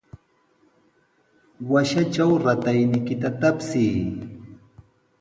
Washatraw ratayniykita tapsiy.